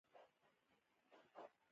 هلمند د افغانستان د لویو ولایتونو څخه دی